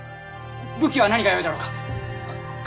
武器は何がよいだろうか。